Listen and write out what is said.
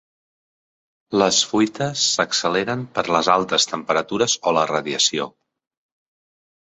Les fuites s'acceleren per les altes temperatures o la radiació.